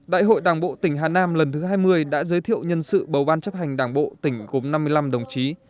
đại hội đảng bộ tỉnh hà nam lần thứ hai mươi đã giới thiệu nhân sự bầu ban chấp hành đảng bộ tỉnh gồm năm mươi năm đồng chí